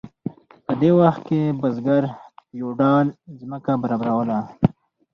په دې وخت کې بزګر د فیوډال ځمکه برابروله.